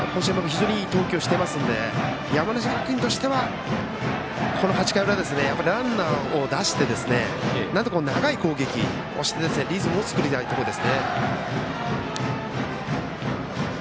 非常にいい投球していますので山梨学院としてはこの８回裏、ランナーを出してなんとか長い攻撃をしてリズムを作りたいところですね。